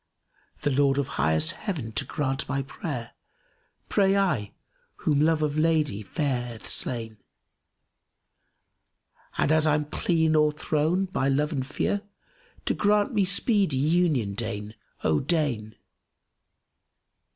The Lord of highmost Heaven to grant my prayer * Pray I, whom love of lady fair hath slain; And as I'm clean o'erthrown by love and fear, * To grant me speedy union deign, oh deign!"